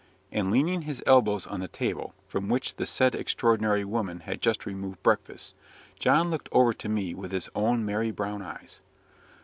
And leaning his elbows on the table, from which the said extraordinary woman had just removed breakfast, John looked over to me with his own merry brown eyes.